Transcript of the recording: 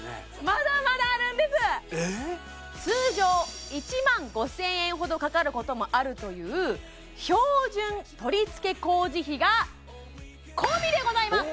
まだまだあるんですえっ通常１万５０００円ほどかかることもあるという標準取付け工事費が込みでございます！